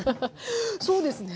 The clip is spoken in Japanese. そうですね。